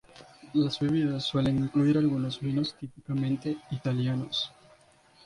Las bebidas suelen incluir algunos vinos típicamente italianos.